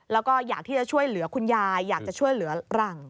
แล้วก็อยากที่จะช่วยเหลือคุณยายอยากจะช่วยเหลือหลัง